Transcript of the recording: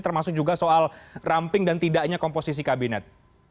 termasuk juga soal ramping dan tidaknya komposisi kabinet